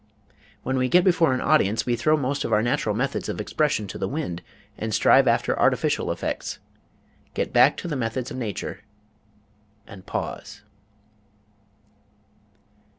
When we get before an audience, we throw most of our natural methods of expression to the wind, and strive after artificial effects. Get back to the methods of nature and pause.